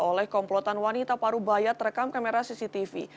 oleh komplotan wanita paru bayat terekam kamera cctv